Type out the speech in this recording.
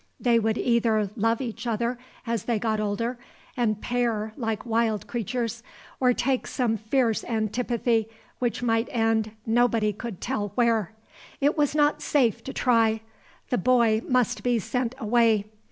They would either love each other as they got older, and pair like wild creatures, or take some fierce antipathy, which might end nobody could tell where. It was not safe to try. The boy must be sent away.